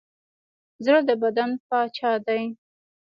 زړه د بدن پاچا دی.